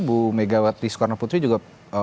bu megawati skornaputri juga